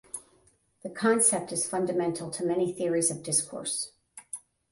The concept is fundamental to many theories of discourse.